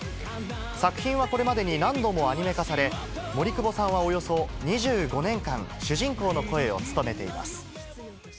作品はこれまでに何度もアニメ化され、森久保さんは、およそ２５年間、主人公の声を務めています。